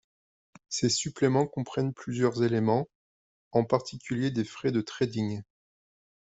Ces suppléments comprennent plusieurs éléments, en particulier des frais de trading.